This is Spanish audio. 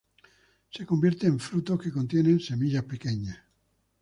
Se convierten en frutos que contienen semillas pequeñas.